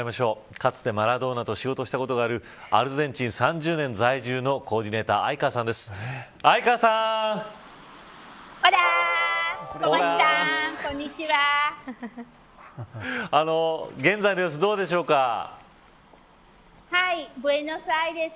かつてマラドーナと仕事をしたことがあるアルゼンチン３０年在住のコーディネーター相川さんです。